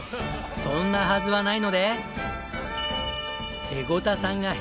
そんなはずはないので。